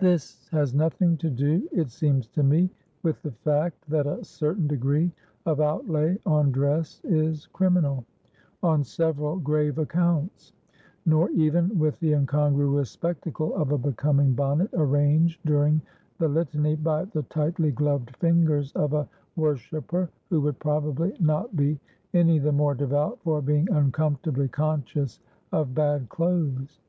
This has nothing to do, it seems to me, with the fact that a certain degree of outlay on dress is criminal, on several grave accounts; nor even with the incongruous spectacle of a becoming bonnet arranged during the Litany by the tightly gloved fingers of a worshipper, who would probably not be any the more devout for being uncomfortably conscious of bad clothes.